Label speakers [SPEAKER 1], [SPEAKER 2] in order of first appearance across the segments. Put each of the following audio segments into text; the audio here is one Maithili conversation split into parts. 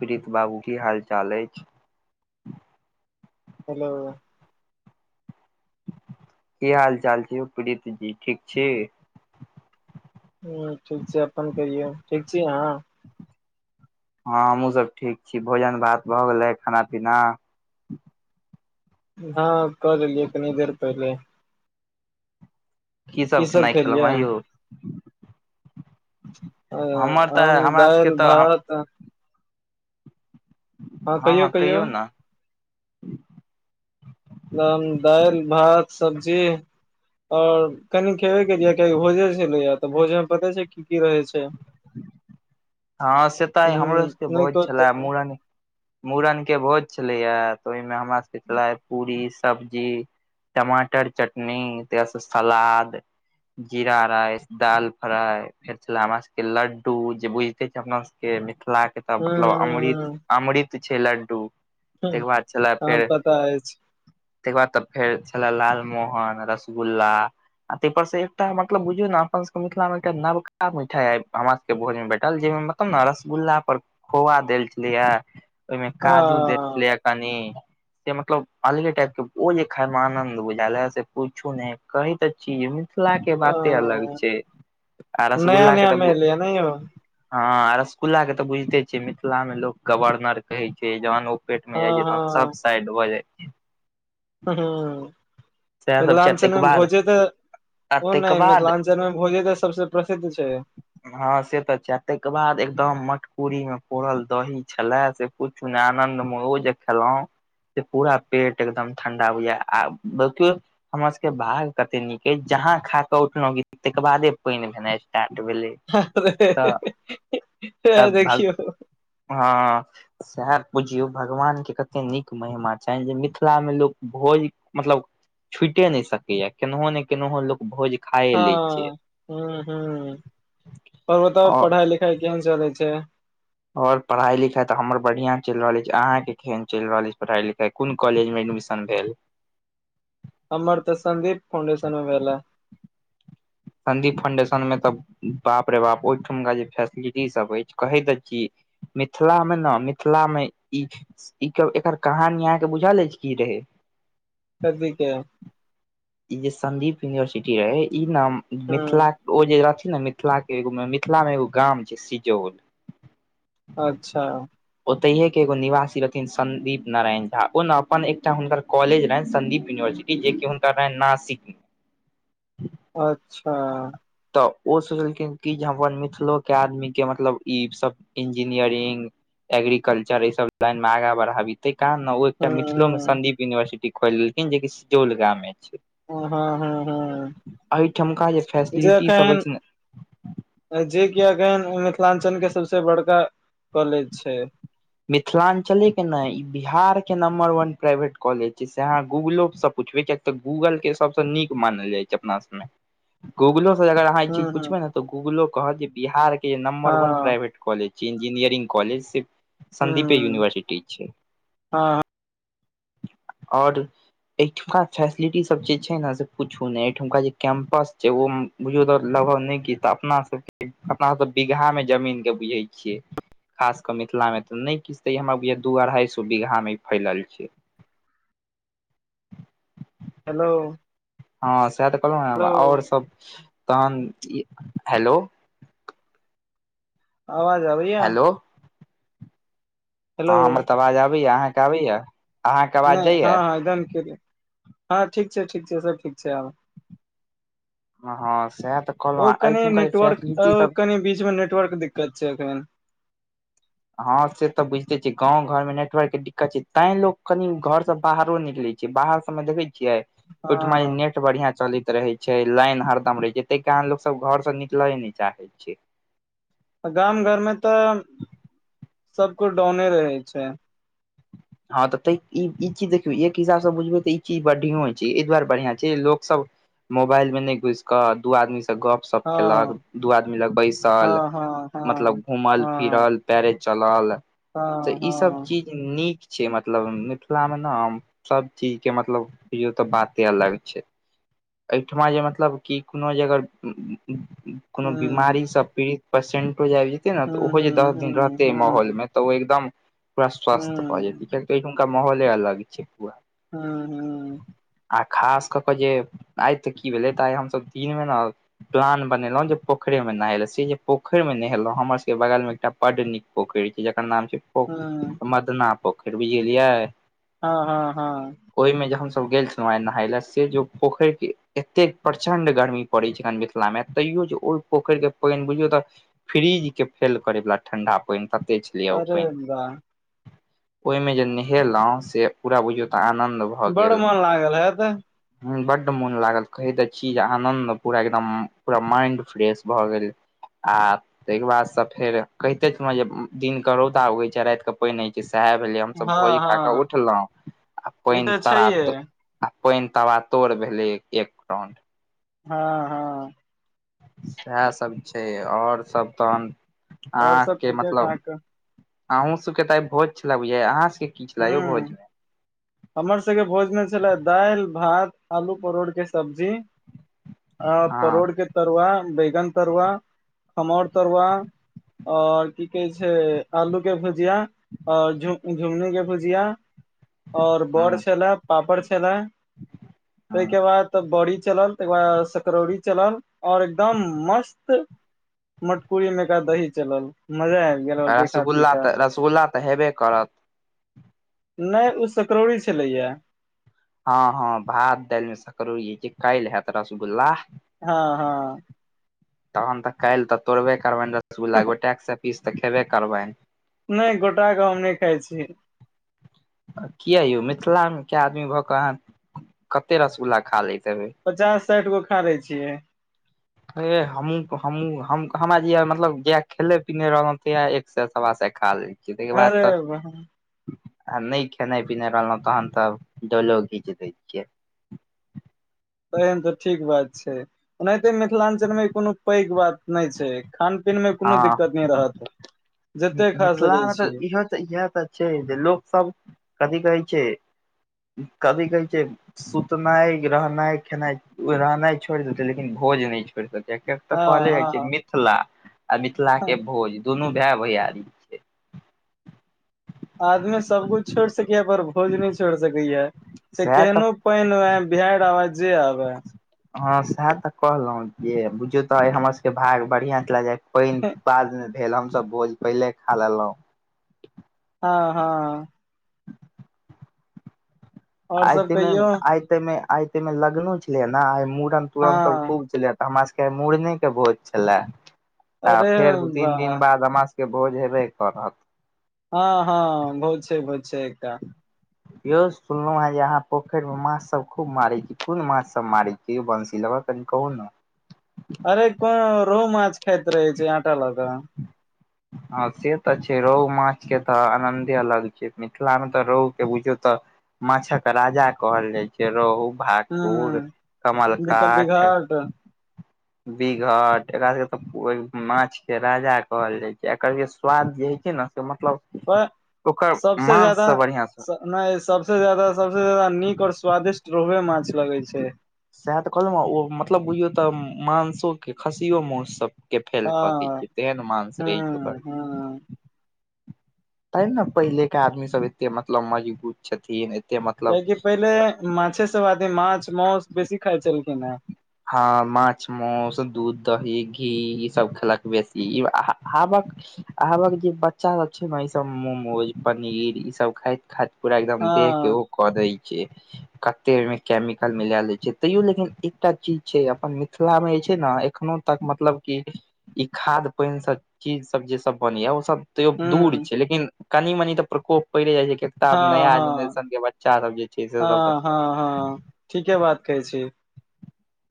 [SPEAKER 1] प्रीत बाबू की हाल चाल अछि?
[SPEAKER 2] हेलो
[SPEAKER 1] की हाल चाल छै यौ प्रीत जी ठीक छी
[SPEAKER 2] ह ठीक छै अपन कहियौ ठीक छी अहाँ
[SPEAKER 1] हँ हमहुँ सब ठीक छी भोजन भात भऽ गेलै खाना पीना
[SPEAKER 2] हँ कऽ लेलियै कनी देर पहिले की
[SPEAKER 1] कीसभ
[SPEAKER 2] सब
[SPEAKER 1] खेनाइ खेलौं
[SPEAKER 2] खेलियै
[SPEAKER 1] हँ यौ
[SPEAKER 2] अ,
[SPEAKER 1] हमर
[SPEAKER 2] हम
[SPEAKER 1] तऽ हमरा सभके
[SPEAKER 2] दालि
[SPEAKER 1] तऽ
[SPEAKER 2] भात
[SPEAKER 1] हँ हँ कहियौ ना
[SPEAKER 2] दाइल भात सब्जी और कनि खेबे केलियै क‌इ भोजे छलै या तऽ भोजे में पते छै कि कि की रहै छै
[SPEAKER 1] हँ से तऽ हमरो सबके
[SPEAKER 2] नहि
[SPEAKER 1] भोज
[SPEAKER 2] कहु त
[SPEAKER 1] छलए मुड़न मुड़नके भोज छलैयै तऽ ओहिमे हमरा सबके छलै पूरी सब्जी टमाटर चटनी तऽ सलाद जीरा राइस दाल फ्राई फेर छला हमरा सबके लड्डू जे बुझ अपना सबके मिथिला के तऽ
[SPEAKER 2] ह
[SPEAKER 1] मतलब अमृत अमृत छै लड्डू तेकेर बाद छलै
[SPEAKER 2] ह
[SPEAKER 1] फेर
[SPEAKER 2] पता अछि
[SPEAKER 1] तै के बाद तऽ फेर छले लाल मोहन रसगुल्ला आ तेहपर से एकटा मतलब बुझियौ ने अपन सब मिथिला मे एकटा नबका मिठाई हमरा सबके भोज मे भेट ल जे मतलब ने रसगुल्ला पर खोआ देल छले ये ओहिमें काजू देल
[SPEAKER 2] ह
[SPEAKER 1] छलेे यै कनी से मतलब अलगे टाइप के ओ जे खाय मे आनन्द बुझायल है से पुछु ने कहैय तऽ छी मिथिला के बाते अलग छै आ रसगुल्ला के तऽ
[SPEAKER 2] नहि यौ
[SPEAKER 1] हँ रसगुल्ला के तऽ बुझिते छियै मिथिला मे लोक गवर्नर कहै छै जहन ओ पेट मे जाइ
[SPEAKER 2] हँ
[SPEAKER 1] छै तहन सब साइड भऽ जाइ सएह सब छै ताहिके
[SPEAKER 2] मिथिलाञ्चलमे
[SPEAKER 1] बाद
[SPEAKER 2] भोजे तऽ
[SPEAKER 1] आ
[SPEAKER 2] ओ
[SPEAKER 1] ताहिके
[SPEAKER 2] नहि
[SPEAKER 1] बाद
[SPEAKER 2] मिथिलाञ्चल मे भोजे तऽ सबसे प्रसिद्ध छै
[SPEAKER 1] हँ से तऽ छै तहिके बाद एकदम मटकुरी मे पोड़ल दही छलै से किुछु नहि आनन्दमे ओ जे खेलहुँ से पूरा पेट एकदम ठण्डा होय आब हमर सब के भाग कते नीक यै जहा खा के उठल‌उ तऽ तेकर बादे पाइन भेना स्टार्ट भेले
[SPEAKER 2] अरे [unintelligible]
[SPEAKER 1] तब भग
[SPEAKER 2] देखियौ
[SPEAKER 1] हँ सेहेए बुझियौ भगवानके कतेक नीक महिमा छनि जे मिथिलामे लोक भोज मतलब छुटे नहि सकया केनहो ने केनहो लोक भोज खाए
[SPEAKER 2] हँ
[SPEAKER 1] लै छै
[SPEAKER 2] ह ह आओर बताब पढ़ाई लिखाई केहन चलै छै
[SPEAKER 1] और पढ़ाई लिखाई तऽ हमर बढ़िया चल रहल अछि छै अहाँ के केहन चलि रहल अछि पढ़ाई लिखाई कोन कॉलेज मे एडमिशन भेल
[SPEAKER 2] हमर तऽ संन्दीप फाउंडेशनमे भेलै
[SPEAKER 1] संन्दीप फाउंडेशन में तऽ बाप रे बाप ओहिठमका जे फेसिलिटी सब अछि कहै तऽ छी मिथिलामे ना मिथिलामे ई ई एकर कहानी अहाँ के बुझल अछि की रहे
[SPEAKER 2] कथी के
[SPEAKER 1] ई जे संन्दीप यूनिवर्सिटी रहय ई ने
[SPEAKER 2] हूं
[SPEAKER 1] मिथिला ओ जे रहथिन ने मिथिला के ऐगो मिथिला मे एगो गाम छै सिजौल
[SPEAKER 2] अच्छा
[SPEAKER 1] ओतहि के एगो निवासी रहथिन संन्दीप नारायण झा ओ ने अपन एकटा हुनकर कॉलेज रहन संन्दीप यूनिवर्सिटी जेके हुनकर रहन नासिक मे
[SPEAKER 2] अच्छा
[SPEAKER 1] तऽ ओ सोचलखिन कि जे हम अपन मिथिलोके आदमीके मतलब ई सभ इंजीनियरिंग एग्रीकल्चर ई सब लाइन मे आगां बढ़ाबी तै कारन ने ओ एकटा
[SPEAKER 2] हूं
[SPEAKER 1] मिथिलो में संन्दीप यूनिवर्सिटी खोलि लेलखिन जेकि सुजोल गाम मे छै
[SPEAKER 2] हँ हँ हँ
[SPEAKER 1] एहिठमका जे फैसिलिटी सब होइ
[SPEAKER 2] जेखन
[SPEAKER 1] छै ने
[SPEAKER 2] जे एखन मिथिलांचल के सबसे बड़का कॉलेज छै
[SPEAKER 1] मिथिलांचले के ने ई बिहार के नंबर वन प्राइवेट कॉलेज छै से अहाँ गूगलो से पूछबे कियैक तऽ गूगल के सबसँ नीक मानल जाइ छै अपना सबमे गूगलो से अगर अहाँ ई
[SPEAKER 2] हूं
[SPEAKER 1] चीज
[SPEAKER 2] हूं
[SPEAKER 1] पूछबै ने तऽ गूगलो कहत जे बिहार के नंबर वन
[SPEAKER 2] हँ
[SPEAKER 1] प्राइवेट कॉलेज छै इंजीनियरिंग कॉलेज सिर्फ सदीपे
[SPEAKER 2] हूं
[SPEAKER 1] यूनिवर्सिटी छै
[SPEAKER 2] हँ
[SPEAKER 1] आओर एहिठमा फेसिलिटी सब जे छै ने से पूछु ने एठमका जे कैंपस छै ओ बुझू तऽ लभग नहि क तऽ अपना सबके अपना सब तऽ बीघा मे जमीन के बुझै छियै खास कऽ मिथिला मे तऽ नहि किछु त हमरा दू अढ़ाई सए बीघा मे फैलल छै
[SPEAKER 2] हेलो
[SPEAKER 1] हँ सएह तऽ कहलहुँ
[SPEAKER 2] हेलो
[SPEAKER 1] ने आओर सब तहन हेलो
[SPEAKER 2] आवाज आबै यै
[SPEAKER 1] हेलो हँ
[SPEAKER 2] हेलो
[SPEAKER 1] हमर तऽ आवाज आबैयै अहाँके आबैयै
[SPEAKER 2] नहि हँ हँ एकदम कि हँ ठीक छै ठीक छै सब ठीक छै आब
[SPEAKER 1] हँ सएह तऽ
[SPEAKER 2] ओ
[SPEAKER 1] कहलहुँ
[SPEAKER 2] कनि
[SPEAKER 1] एहिठुमका जे
[SPEAKER 2] नेटवर्क
[SPEAKER 1] फैसिलिटी सब
[SPEAKER 2] कनि बीच मे नेट नेटवर्क दिक्कत छै एखन
[SPEAKER 1] हँं से तऽ बुझते छी गाँंब घर मे नेटवर्क के दिक्कत छै तें लोग कनी घर से बाहरो निकलै बाहर सब मे देखै छियै ओहिठुमा
[SPEAKER 2] हँ
[SPEAKER 1] नेट बढ़िया चलैत रहे छै लाइन हरदम रहे छै ताहि कारण लोक सब घर से निकले न नहि चाहैय छै
[SPEAKER 2] गाम घर में तऽ सबकुछ डाउने रहे छै
[SPEAKER 1] हँ तऽ त ई चीज देखियौ एक हिसाबसँ बुझबै तऽ ई चीज बढ़ियो छै एहि दुआरे बढ़िआं छै लोक सब मोबाइल मे न घुसि कऽ दू आदमी से गप सब
[SPEAKER 2] हँ
[SPEAKER 1] केलक दू आदमी लग बैसल
[SPEAKER 2] हँ हँ हँ
[SPEAKER 1] मतलब घूमल
[SPEAKER 2] हँ
[SPEAKER 1] फिरल पैरे चलल तऽ
[SPEAKER 2] हँ
[SPEAKER 1] ई सब
[SPEAKER 2] हँ
[SPEAKER 1] चीज नीक छ मतलब मिथिला मे ने सब चीज के मतलब बुझौ तऽ बाते अलग छै एहिठुमा जे मतलब कि कोनो जे अगर कोनो बीमारी
[SPEAKER 2] हूँ
[SPEAKER 1] से पीड़ित पेसेंटो जे आब जेते ने तऽ
[SPEAKER 2] हूँ
[SPEAKER 1] ओहो जे दस दिन
[SPEAKER 2] हूँ हूँ
[SPEAKER 1] रहते माहौल मे
[SPEAKER 2] हूँ
[SPEAKER 1] तऽ ओ एकदम पूरा स्वस्थ भऽ जेत
[SPEAKER 2] हूँ
[SPEAKER 1] किय ओठुका माहौले अलग छै पूरा
[SPEAKER 2] हँ ह
[SPEAKER 1] आ खास कऽ कऽ जे आइ तऽ की भेलै तऽ आइ हमसभ दिनमे ने प्लान बनेलहुॅं जे पोखरिमे नहेले से जे पोखरिमे नहेलहुँ हमर सबके बगलमे एकटा बड नीक पोखरि छै जकर नाम छै पख
[SPEAKER 2] हूँ
[SPEAKER 1] मदना पोखरि बुझलियै
[SPEAKER 2] हँ हँ हँ
[SPEAKER 1] ओहि में ज हमस गेल छलहुँ आ नहायल से जो पोखर के एतेक प्रचंड गर्मी पड़ै छैनि मिथिला मे तैयो जे ओहि पोखरिक के पानि बुझियौ तऽ फ्रिज के फेल करैवला ठंडा पानि तते छलियै ओ पानि
[SPEAKER 2] बाह
[SPEAKER 1] ओहि में जे नहेलहुं से पूरा बुझियो ते आनंद भऽ
[SPEAKER 2] बड़
[SPEAKER 1] गेल
[SPEAKER 2] मन लागल हैत
[SPEAKER 1] बड्ड मोन लागल कहै तऽ छी जे आनन्द पूरा एकदम पूरा माइंड फ्रेश भऽ गेल आ ताहिके बाद से फेर कहिते छल जे दिन के रौदा उगै छै रात क पानि होइत छै सएह भेलिय हमसभ
[SPEAKER 2] हँ
[SPEAKER 1] भोज खा कऽ
[SPEAKER 2] हँ
[SPEAKER 1] उठलहुँ आ
[SPEAKER 2] ई
[SPEAKER 1] पानि
[SPEAKER 2] तऽ
[SPEAKER 1] तरा
[SPEAKER 2] छैहे
[SPEAKER 1] तर आ पानि तबा तोड़ भेलै एक राउंड
[SPEAKER 2] हँ हँ
[SPEAKER 1] सएहसभ छै आओर सभ तहन
[SPEAKER 2] और सब
[SPEAKER 1] अहाँके
[SPEAKER 2] ठीके
[SPEAKER 1] मतलब
[SPEAKER 2] ठाक
[SPEAKER 1] अहूँ सबके टा भोज छलै बुझा अहाँ सभ के
[SPEAKER 2] हू हमरा सभके भोजमे दालि भात, आलू परोड़के सब्जी छल। आ
[SPEAKER 1] हँ
[SPEAKER 2] परोड़के तरुआ, बैगनके तरुआ, खम्हौरके तरुआ। और की कहे छै। आलू के भुजिया और झु झु्नी के भुजिया और
[SPEAKER 1] हूं
[SPEAKER 2] बड़ छले पापड़ छले
[SPEAKER 1] हूं
[SPEAKER 2] ताहिके बाद। तऽ बड़ी चलल, तकर बाद सकरौरी चलल, आ एकदम मस्त। मटकूरीमे का, दही चलल? मजा आबि। गेल और तीखा
[SPEAKER 1] रसगुल्ला
[SPEAKER 2] तीखा
[SPEAKER 1] तऽ रसगुल्ला हेबे करत।
[SPEAKER 2] नहि, ओ सकरौरी छलै।
[SPEAKER 1] हँ हँ, भात दाल, सकरौरी जे काल्हि होयत, रसगुल्ला।
[SPEAKER 2] हँ हँ
[SPEAKER 1] तखन तऽ काल्हि तऽ तोड़बे करबऽ ने रसगुल्ला, गोटे गोटे पीस तऽ खेबे करबऽ।
[SPEAKER 2] नै गोटाे हम नहि खाइ छी
[SPEAKER 1] किएक यौ, मिथिलामे कते आदमी भऽ कऽ अहाँ कते रसगुल्ला खा लैते हेबै?
[SPEAKER 2] पचास साठि गो खा कऽ छियै।
[SPEAKER 1] हमहुँ, हमहुँ। हमहूँ जँ मतलब, जहिया खेले पिए रहली, तहिया एकसँ सवा सेर खा लेली। तके बाद
[SPEAKER 2] अरे
[SPEAKER 1] तऽ
[SPEAKER 2] वाह
[SPEAKER 1] आ नहि, खेनाइ पिनाइ रहलहुँ तखन तऽ डोलो घीच दैत छियै।
[SPEAKER 2] तखन तऽ ठीक बात छै, ओनाहिते मिथिलांचल कोनो पैघ बात नहि छै। खान पीन मे कोनो
[SPEAKER 1] हँ
[SPEAKER 2] दिक्कत नहि रहत जते खा सकै
[SPEAKER 1] मिथिलामे तऽ
[SPEAKER 2] छिअ।
[SPEAKER 1] इहो तऽ इएह तऽ छै जे लोकसभ की कहै छै, कखनो कहै छै। सुतनाइ रहनाइ खेनाइ रहनाइ छोड़ि देतै, लेकिन भोज नहि छोड़ि देतै। तऽ
[SPEAKER 2] हँ
[SPEAKER 1] कहल
[SPEAKER 2] हँ
[SPEAKER 1] जाइ छै मिथिला आ मिथिलाके भोज दुनू भाय भैयारी। छै
[SPEAKER 2] आदमी सभ किछु छोड़ि सकैए, मुदा भोज नहि छोड़ि सकैए, से
[SPEAKER 1] सएह तऽ
[SPEAKER 2] केहनो। पैन आब, बिहार आबै, जे आबै।
[SPEAKER 1] हँ, सएह तऽ कहलहुँ जे बुझू तऽ हमरसभक भाग बढ़िआ चलि जाय। ओहि बादमे भेल, हमसभ भोज पहिले खा लेलहुँ।
[SPEAKER 2] हँ हँ और
[SPEAKER 1] आइ
[SPEAKER 2] सब
[SPEAKER 1] तऽ
[SPEAKER 2] कहियौ
[SPEAKER 1] एते एते लग्नो छलै ने, आइ मुड़न
[SPEAKER 2] हँ
[SPEAKER 1] तुड़न सभ खूब छलै। हमरा सभके मुड़नेके भोज छलै तऽ
[SPEAKER 2] अरे
[SPEAKER 1] फेर दू-तीन
[SPEAKER 2] वाह
[SPEAKER 1] दिन बाद हमरा सभक। के भोज हेबे करत।
[SPEAKER 2] हँ हँ बहुत छै। बहुत छै। एकटा
[SPEAKER 1] यौ सुनलहुँ हे, अहाँ पोखरिमे खूब माछ मारै छी। कोन कोन माछ मारै छी? बनशी लऽ बतियाउ ने तनि।
[SPEAKER 2] अरे, कोन? रोहु माछ खाइत रहै छै आटा लऽ कऽ?
[SPEAKER 1] हँ, से तऽ छै। रोहु माछक स्वादे अलग होइत छै, मिथिलामे तऽ रोहुके खूब पसन्द कएल जाइ छै। माछक राजा कहल जाइ छै रोहु,
[SPEAKER 2] हूँ
[SPEAKER 1] भाकुर,
[SPEAKER 2] बिक
[SPEAKER 1] कमलकाठ।
[SPEAKER 2] बिघाट
[SPEAKER 1] बीघट एकरा सभके तऽ माछक राजा कहल जाइ छै, एकर जे स्वाद होइत छै ने! मतलब
[SPEAKER 2] पर
[SPEAKER 1] ओकर माँस से बढ़िया से।
[SPEAKER 2] ने, सभसँ बेसी नीक आ स्वादिष्ट रोहु माछ लगै छै।
[SPEAKER 1] सएह तऽ कहलहुँ ने, ओ मतलब बुझू तऽ मांसोमे खस्सीके मांस। के फेल कऽ दै
[SPEAKER 2] हँ
[SPEAKER 1] छै, तेहन मांस
[SPEAKER 2] हँ
[SPEAKER 1] रहै छै ओकर।
[SPEAKER 2] हँ
[SPEAKER 1] तेँ ने पहिनेके आदमीसभ एतेक मजबूत छथिन। एते मतलब
[SPEAKER 2] कियाकि पहिले माछे सभ आदमी माछ मौस सभ बेसी खाइ छलखिन है
[SPEAKER 1] हँ, माछ मांस, दूध दही घी ई सभ खएलक बेसी ई आबै। आबक जे बच्चासभ छै ने, ईसभ मोमोज पनीर ईसभ खाइत खाइत। पूरा एकदम
[SPEAKER 2] हँ
[SPEAKER 1] देखऽमे ओ कऽ दै छै, कते ओहिमे केमिकल मिला लै छै, तैयो लेकिन। एकटा चीज छै अपन मिथिलामे जे छै ने, एखनो तक मतलब कऽ। ई खाद्य पदार्थ सभ, जे सभ चीज बनेयल जाइ छै, ओ सभ। तैयो दूर
[SPEAKER 2] हूँ
[SPEAKER 1] छै, लेकिन कनि मनि तऽ प्रकोप पड़िये जाइ छै।
[SPEAKER 2] हँ
[SPEAKER 1] किताब नऽ
[SPEAKER 2] हँ
[SPEAKER 1] जेनरेशनके बच्चासभ जे छै से सभ।
[SPEAKER 2] हँ हँ हँ ठीके बात कहै छी।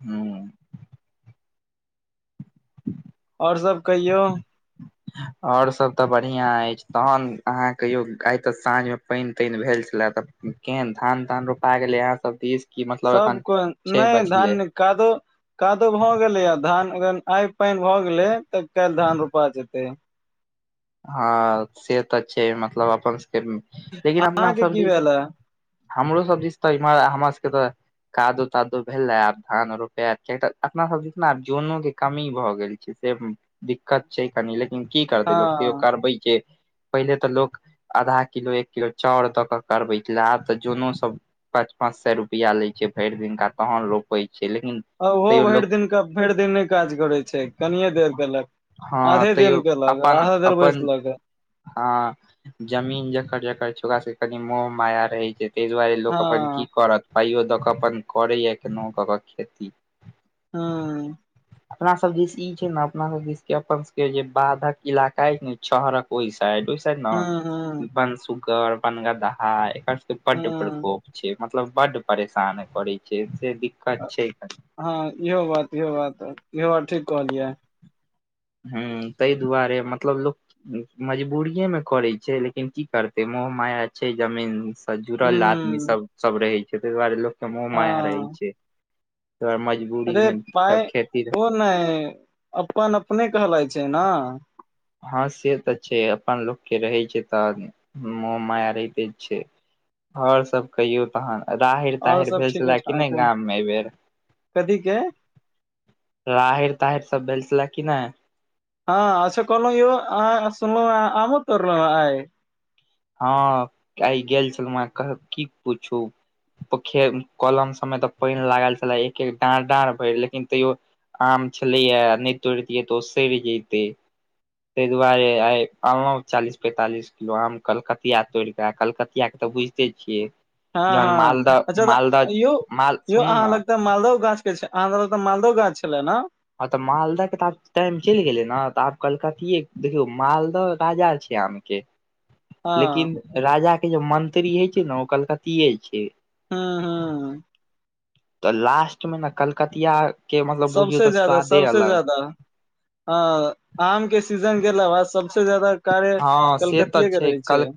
[SPEAKER 1] हँ
[SPEAKER 2] आओर सब कहियौ
[SPEAKER 1] आओर सभ तऽ बढ़िआँ अछि तहन अहाँ कहियौ आइ तऽ साँझमे पानि तानि भेल छलए तऽ केहन धान तान रोपा गेलै अहाँ सब दिश
[SPEAKER 2] सब को नहि धान न कादो कादो भऽ गेलै आ धान अग आइ पानि भऽ गेलै तऽ काल्हि धान रोपा जेतै
[SPEAKER 1] हँ सेहत अ छै मतलब अपनके लेकिन अपना
[SPEAKER 2] अहाँके
[SPEAKER 1] सब
[SPEAKER 2] की
[SPEAKER 1] दिश
[SPEAKER 2] भेल ह
[SPEAKER 1] हमरो सब दिस तऽ हमरा सबके तऽ कादो तादो भेलै आब धान रोपायत अपना सब जे ने आब जनो के कमी भऽ गेल छै से दिक्कत छै कनि लेकिन की करतै लोक तो
[SPEAKER 2] हँ
[SPEAKER 1] करबै छै पहिले तऽ लोक आधा किलो एक किलो चाउर दऽ कऽ करबै छल आब तऽ जोनो सभ पाँच पाँच सए रुपआ ले छै भरि दिनका तहन रोपे छै लेकिन
[SPEAKER 2] आ ओहो
[SPEAKER 1] तैयो
[SPEAKER 2] भरि
[SPEAKER 1] लोक
[SPEAKER 2] दिन भरि दिन नहि काज करैत छै कनिये देर केलक
[SPEAKER 1] हँ
[SPEAKER 2] आधे दिन
[SPEAKER 1] तैयो
[SPEAKER 2] केलक आधा देर बैसल कऽ
[SPEAKER 1] हँ जमीन जकर जकर छो सब कनि मोह माया रहे छै ताहि दुआरे
[SPEAKER 2] हँ
[SPEAKER 1] लोक अपन की करत पाइयो दऽ कऽ अपन करैया केना कऽ केऽ खेती
[SPEAKER 2] हँ
[SPEAKER 1] अपना सब दिस ई छै न अपना सबदिस अपन सब के जे बाधक इलाका ने छहरक ओहि साइड
[SPEAKER 2] हँ हँ
[SPEAKER 1] बन सुुगर बन गदहा एक पड्ड
[SPEAKER 2] हँ
[SPEAKER 1] प्रकोप छै मतलब बड्ड परेशान करैत छै से दिक्कत छै कनि
[SPEAKER 2] हँ इहो बात इहो बात इहो बात ठीक कहलियै
[SPEAKER 1] हूँ तहि दुआरे मतलब लोक मजबूरिे मे करै छै लेकिन की करतै मोह माया छै जमीन से जुड़ल आदमी
[SPEAKER 2] हूँ
[SPEAKER 1] सब सब रहे छै ताहि दुआरे लोकके मोह माया रहै
[SPEAKER 2] हँ
[SPEAKER 1] छै तऽ मजबुरी
[SPEAKER 2] अरे पाइ ओ नहि अपन अपने कहलाइ छै ने
[SPEAKER 1] हँ से तऽ छै अपन लोकके रहै छै तऽ मुह माया रहिते छै आओर सब कहियौ तहन राहिर
[SPEAKER 2] आओर
[SPEAKER 1] ताहिर
[SPEAKER 2] सब
[SPEAKER 1] भेल
[SPEAKER 2] ठीके
[SPEAKER 1] छलए कि नहि
[SPEAKER 2] ठाक है।
[SPEAKER 1] गाममे एहिबेर
[SPEAKER 2] कथी के
[SPEAKER 1] रहैर ताहिर सब भेलेल छले कि नहि
[SPEAKER 2] हँ अच्छा कहलहु यौ सुनलहु आमो तोरलहु आइ
[SPEAKER 1] हँ गेल छलहुँ कह की पूछू पोखे कलम सबमे तऽ पान लागल छलै एक एक डाँढ़ डाँढ़ भेल लेकिन तैयो आम छलैय नहि तोरतियै तऽ ओ सड़ि जेतै ताहि दुआरे आइ अनलहुँ चालीस पैंतालिस किलो आम कलकतिया तोड़ के कलकतिया के तऽ बुझ छियै
[SPEAKER 2] हँ
[SPEAKER 1] जहन
[SPEAKER 2] हँ
[SPEAKER 1] मालदह
[SPEAKER 2] अच्छा तऽ यौ
[SPEAKER 1] मालदह माल
[SPEAKER 2] यौ
[SPEAKER 1] सुनू
[SPEAKER 2] अहाँ
[SPEAKER 1] ने
[SPEAKER 2] लग तऽ मालदह गाछ के अ तऽ मालदह गाछ छले ने
[SPEAKER 1] हँ तऽ मालदह के तऽ आब टाइम चलि गेलै ने तऽ आब कलकतिये देखियौ मालदह राजा छै आमे
[SPEAKER 2] हँ
[SPEAKER 1] लेकिन राजा के जे मंत्री हय छै ने ओ कलकतिये छै
[SPEAKER 2] हँ हँ
[SPEAKER 1] तऽ लास्ट मे ने कलकतिया के मतलब बुझियौ
[SPEAKER 2] सबसॅं
[SPEAKER 1] तऽ
[SPEAKER 2] ज्यादा
[SPEAKER 1] स्वादे
[SPEAKER 2] सबसॅं
[SPEAKER 1] अलग
[SPEAKER 2] ज्यादा हॅं आम के सीजन गेला बाद सबसे ज्यादा कार्य
[SPEAKER 1] हँ से तऽ
[SPEAKER 2] कलकतिये के रहे
[SPEAKER 1] कल
[SPEAKER 2] छै